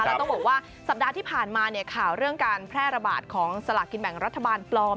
แล้วต้องบอกว่าสัปดาห์ที่ผ่านมาเนี่ยข่าวเรื่องการแพร่ระบาดของสลากกินแบ่งรัฐบาลปลอม